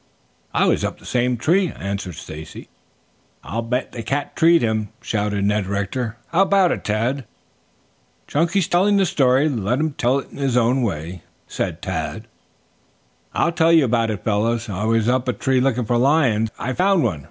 "I was up the same tree," answered Stacy. "I'll bet the cat treed him," shouted Ned Rector. "How about it, Tad?" "Chunky's telling the story. Let him tell it in his own way." "I'll tell you about it, fellows. I was up a tree looking for lions. I found one.